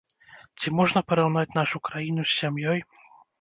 Ці можна параўнаць нашу краіну з сям'ёй?